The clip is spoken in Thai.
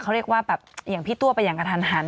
เขาเรียกว่าแบบอย่างพี่ตัวไปอย่างกระทันหัน